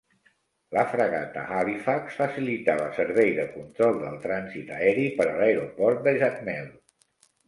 La fragata "Halifax" facilitava servei de control del trànsit aeri per a l'aeroport de Jacmel.